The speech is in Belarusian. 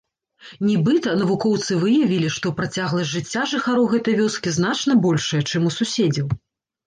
Нібыта, навукоўцы выявілі, што працягласць жыцця жыхароў гэтай вёскі значна большая, чым у суседзяў.